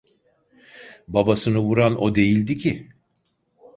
Babasını vuran o değildi ki…